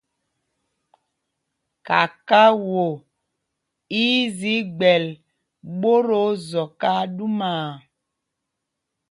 Kakao í í zi gbɛl ɓót o Zɔk aa ɗumaa.